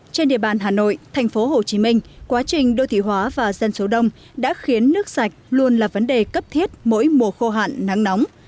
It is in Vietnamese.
trên địa bàn hà nội thành phố hồ chí minh quá trình đô thị hóa và dân số đông đã khiến nước sạch luôn là vấn đề cấp thiết mỗi mùa khô hạn nắng nóng